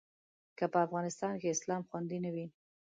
که په افغانستان کې اسلام خوندي نه وي.